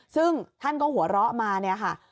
ซึ่งท่านก็หัวเราะมาเนี่ยค่ะ